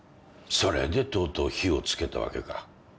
それでとうとう火を付けたわけか。